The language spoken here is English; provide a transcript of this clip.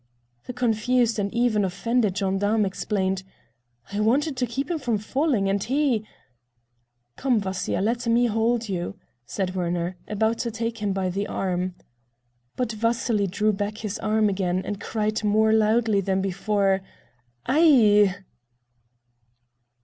The confused and even offended gendarme explained: "I wanted to keep him from falling, and he—" "Come, Vasya, let me hold you," said Werner, about to take him by the arm. But Vasily drew back his arm again and cried more loudly than before: "Ai!"